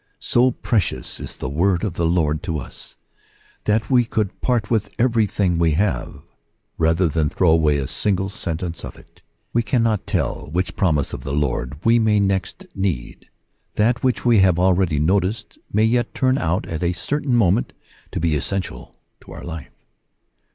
So precious is the word of the Lord to us, that we could part with everything we have rather than throw away a single sentence of it. We cannot tell which promise of the Lord we may next need : that which we have hardly noticed may yet turn out at a certain moment to be essential to our life.